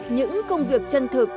những công việc chân thực